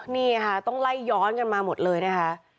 นี่ค่ะต้องไล่ย้อนกันมาหมดเลยนะคะ